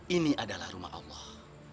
ini adalah rumah allah